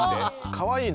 ・かわいい！